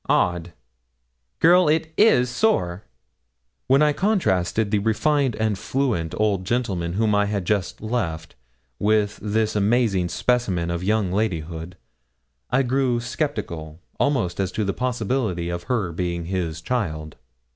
Odd! girl, it is sore.' When I contrasted the refined and fluent old gentleman whom I had just left, with this amazing specimen of young ladyhood, I grew sceptical almost as to the possibility of her being his child.